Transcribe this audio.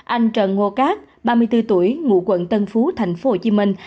anh trần ngô cát ba mươi bốn tuổi ngụ quận tân phú thành phố hồ chí minh